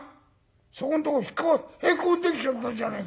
そこんとこへこんできちゃったじゃねえか。